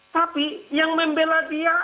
tapi yang membela dia